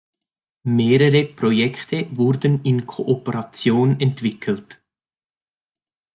Mehrere Projekte wurden in Kooperationen entwickelt.